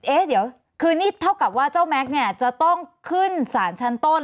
เอ๊ะเดี๋ยวคือนี่เท่ากับว่าเจ้าแม็กซ์เนี่ยจะต้องขึ้นสารชั้นต้น